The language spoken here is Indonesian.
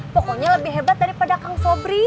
pokoknya lebih hebat daripada kang sobri